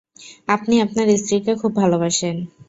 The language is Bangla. আপনি আপনার স্ত্রীকে খুব ভালোবাসেন!